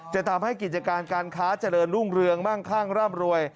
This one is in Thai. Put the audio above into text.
จะทำให้กิจการการค้าเจริญรุ่งเรืองมั่งข้างร่ำรวย